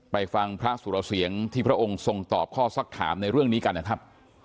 ไปฟังพระสุรเสียงที่พระองค์ทรงตอบข้อสักถามในเรื่องนี้กันนะครับ